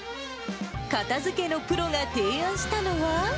片づけのプロが提案したのは。